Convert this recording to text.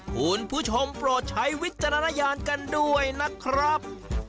คุณผู้ชมโปรดใช้วิจารณญาณกันด้วยนะครับ